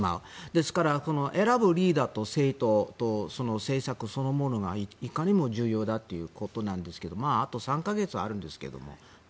ですから、選ぶリーダーと政党と政策そのものがいかにも重要だということなんですけどあと３か月あるんですけども。